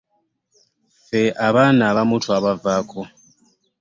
Ffe abaana abamu twabavaako.